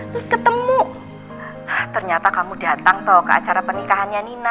terus ketemu ternyata kamu datang tuh ke acara pernikahannya nina